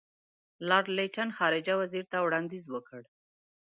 لارډ لیټن خارجه وزیر ته وړاندیز وکړ.